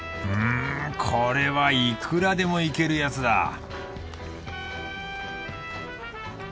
うんこれはいくらでもイケるやつだ！